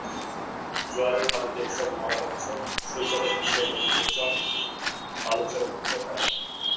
জোয়ারের পানিতে এসব মরা কচ্ছপ সৈকতে ভেসে এলে লোকজন বালুচরে পুঁতে ফেলে।